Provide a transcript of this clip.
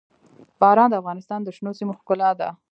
باران د افغانستان د شنو سیمو ښکلا ده.